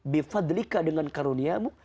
bifadlika dengan karuniamu